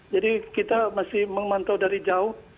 jadi kita masih memantau dari jauh